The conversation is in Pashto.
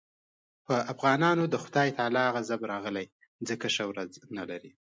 په افغانانو د خدای تعالی غضب راغلی ځکه ښه ورځ نه لري.